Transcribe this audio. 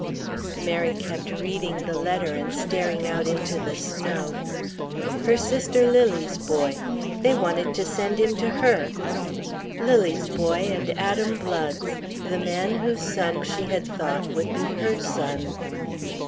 Mary kept reading the letter and staring out into the snow. Her sister Lily's boy they wanted to send him to her. Lily's boy and Adam Blood's the man whose son she had thought would be her son.